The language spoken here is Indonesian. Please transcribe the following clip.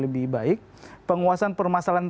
lebih baik penguasaan permasalahan